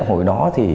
hồi đó thì